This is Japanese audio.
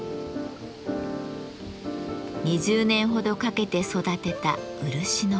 ２０年ほどかけて育てた漆の木。